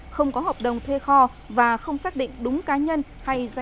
không có hợp đồng thuê kho và không xác định đúng cá nhân hay doanh nghiệp gửi hàng